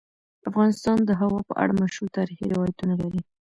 افغانستان د هوا په اړه مشهور تاریخی روایتونه لري.